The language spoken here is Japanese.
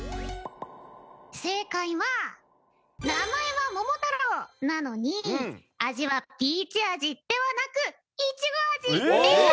正解は名前は「もも太郎」なのに味はピーチ味ではなくいちご味でした！